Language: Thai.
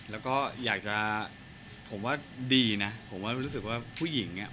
แล้วก็อยากจะผมว่าดีนะผมว่ารู้สึกว่าผู้หญิงเนี่ย